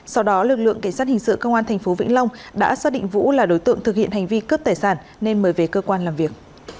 sau đó lực lượng cảnh sát hình sự công an tp vĩnh long đã xác định vũ là đối tượng thực hiện hành vi cướp tài sản nên mời về cơ quan làm việc